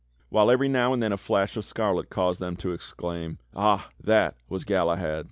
While every now and then a flash of scarlet caused them to ex claim: "Ah! that was Galahad!"